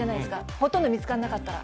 ほとんど見つからなかったら。